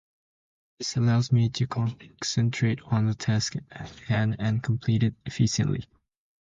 This allows me to concentrate on the task at hand and complete it efficiently.